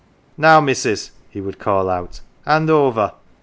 " Now missus," he would call out. " Hand over."